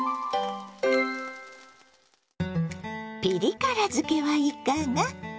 ピリ辛漬けはいかが？